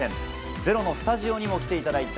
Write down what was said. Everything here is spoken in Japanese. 「ｚｅｒｏ」のスタジオにも来ていただいた